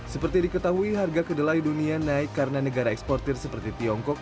seperti diketahui harga kedelai dunia naik karena negara eksportir seperti tiongkok